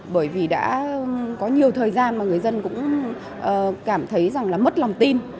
bởi vì đã có nhiều thời gian mà người dân cũng cảm thấy rằng là mất lòng tin